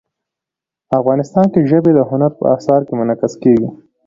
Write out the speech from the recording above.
افغانستان کې ژبې د هنر په اثار کې منعکس کېږي.